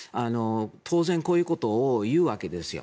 当然、こういうことを言うわけですよ。